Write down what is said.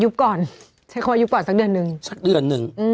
ก่อนใช้คำว่ายุบก่อนสักเดือนหนึ่งสักเดือนหนึ่ง